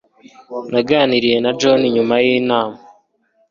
Naganiriye na John nyuma yinama.